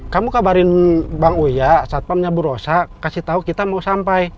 kamu kabarin bang uya saat pamnya bu rosa kasih tau kita mau sampai